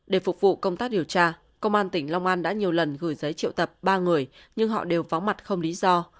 để phục vụ công tác điều tra công an tỉnh long an đã nhiều lần gửi giấy triệu tập ba người nhưng họ đều vắng mặt không lý do